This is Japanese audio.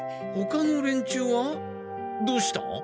ほかの連中はどうした？